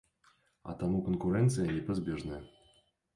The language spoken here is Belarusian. А таму канкурэнцыя непазбежная.